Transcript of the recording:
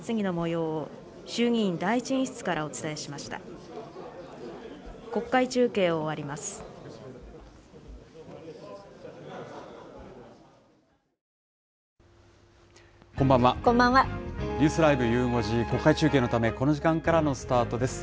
ゆう５時、国会中継のため、この時間からのスタートです。